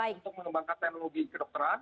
dan umpat untuk mengembangkan teknologi kedokteran